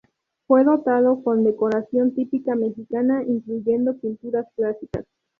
Fue dotado con decoración típica mexicana, incluyendo pinturas clásicas.